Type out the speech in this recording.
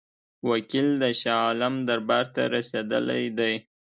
وکیل د شاه عالم دربار ته رسېدلی دی.